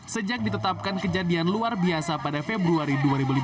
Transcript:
sejak ditetapkan kejadian luar biasa pada februari dua ribu lima belas